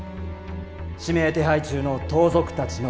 指名手配中の盗賊たちの家。